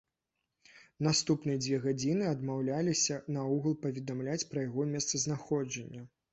Наступныя дзве гадзіны адмаўляліся наогул паведамляць пра яго месцазнаходжанне.